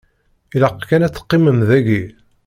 Ilaq kan ad teqqimem daki.